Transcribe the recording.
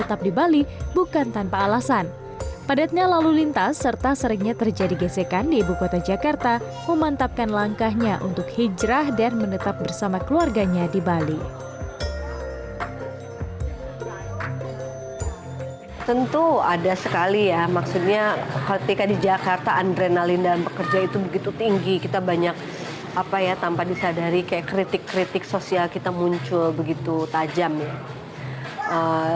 apa ya tanpa disadari kayak kritik kritik sosial kita muncul begitu tajam ya